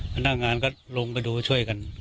พนักงานก็ลงไปดูช่วยกัน